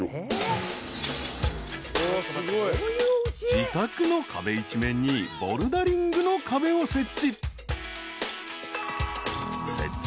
［自宅の壁一面にボルダリングの壁を設置］